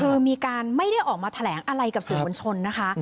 คือมีการไม่ได้ออกมาแถลงอะไรกับสื่อมวลชนนะคะ